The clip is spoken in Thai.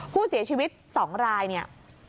ผู้เสียชีวิต๒ราย